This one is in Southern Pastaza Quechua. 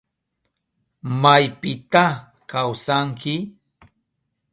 ¿Maypita kawsanki?